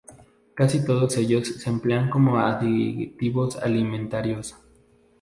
Casi todos ellos se emplean como aditivos alimentarios.